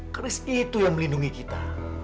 keris itu yang melindungi kita